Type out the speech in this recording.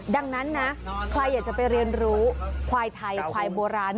ดังนั้นนะใครอยากจะไปเรียนรู้ควายไทยควายโบราณ